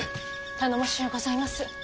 頼もしゅうございます。